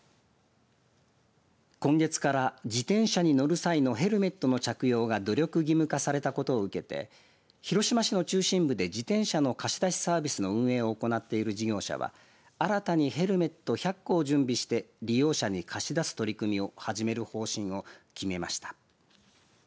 今月から、自転車に乗る際のヘルメットの着用が努力義務化されたことを受けて広島市の中心部で自転車の貸し出しサービスの運営を行っている事業者は新たにヘルメット１００個を準備して利用者に貸し出す取り組みを始める方針を決めました。